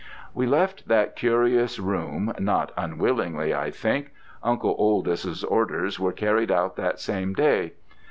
"We left that curious room not unwillingly, I think. Uncle Oldys's orders were carried out that same day.